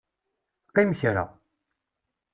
Qqim kra.